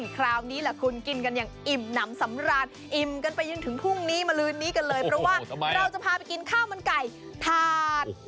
คราวนี้แหละคุณกินกันอย่างอิ่มน้ำสำราญอิ่มกันไปจนถึงพรุ่งนี้มาลืนนี้กันเลยเพราะว่าเราจะพาไปกินข้าวมันไก่ถาด